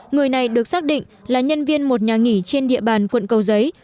người này được xác định là nhân viên một nhà nghỉ trên địa bàn quận cầu giấy